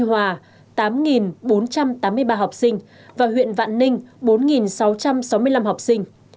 tuy hòa tám bốn trăm tám mươi ba học sinh và huyện vạn ninh bốn sáu trăm sáu mươi năm học sinh